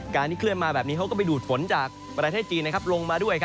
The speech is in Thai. การที่เคลื่อนมาแบบนี้เขาก็ไปดูดฝนจากประเทศจีนลงมาด้วย